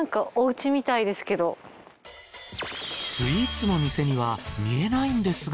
スイーツの店には見えないんですが。